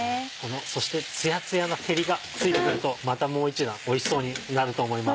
そしてツヤツヤな照りがついてくるとまたもう一段おいしそうになると思います。